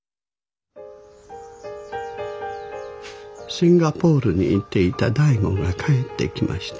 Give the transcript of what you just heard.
シンガポールに行っていた醍醐が帰ってきました。